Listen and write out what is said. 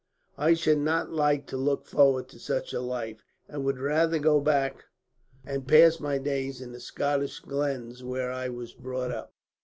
I should not like to look forward to such a life, and would rather go back and pass my days in the Scottish glens where I was brought up."